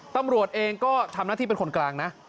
ตำรวจเองก็ทำหน้าที่เป็นคนกลางนะ